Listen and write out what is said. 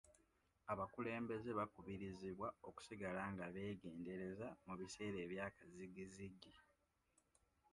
Abakulembeze bakubirizibwa okusigala nga beegendereza mu biseera ebyakazzigizzigi.